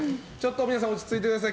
皆さん、落ち着いてください。